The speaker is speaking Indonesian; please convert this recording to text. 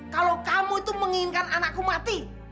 kalau kamu itu menginginkan anakku mati